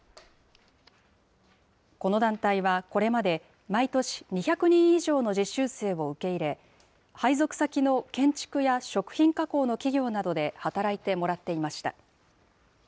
この団体はこれまで毎年２００人以上の実習生を受け入れ、配属先の建築や食品加工の企業などで働いてもらっていました。